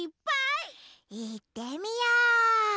いってみよう！